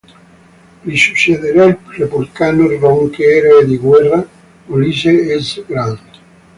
Gli succederà il repubblicano, nonché eroe di guerra, Ulysses S. Grant.